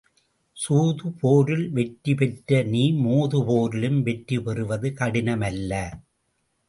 சூது போரில் வெற்றி பெற்ற நீ மோது போரிலும் வெற்றி பெறுவது கடினம் அல்ல.